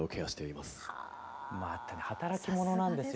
またね働き者なんですよ。